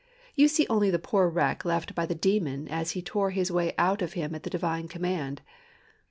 You see only the poor wreck left by the demon as he tore his way out of him at the Divine command.